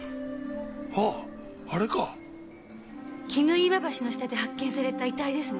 岩橋の下で発見された遺体ですね。